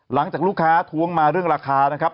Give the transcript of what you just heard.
หลังจากลูกค้าท้วงมาเรื่องราคานะครับ